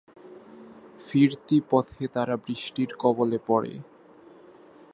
ফিরতি পথে তারা বৃষ্টির কবলে পড়ে।